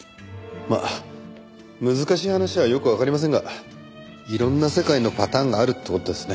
まあ難しい話はよくわかりませんがいろんな世界のパターンがあるって事ですね。